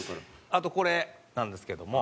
あとこれなんですけども。